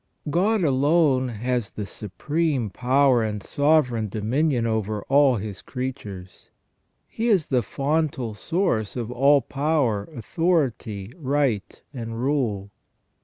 * God alone has the supreme power and sovereign dominion over all His creatures. He is the fontal source of all power, authority, right, and rule.